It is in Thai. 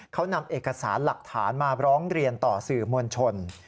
เขานำเอกสารหลักฐานมาร้องเรียนต่อสื่อมวลชน